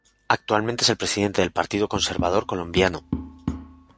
Actualmente es el Presidente del Partido Conservador Colombiano.